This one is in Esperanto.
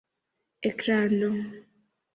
ekrano